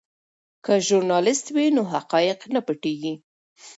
که ژورنالیست وي نو حقایق نه پټیږي.